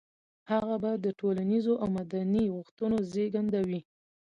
هغه به د ټولنيزو او مدني غوښتنو زېږنده وي.